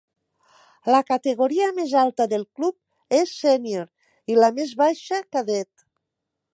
La categoria més alta del club és sènior i la més baixa cadet.